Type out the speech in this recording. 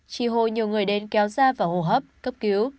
chỉ hồ nhiều người đến kéo ra vào hồ hấp cấp cứu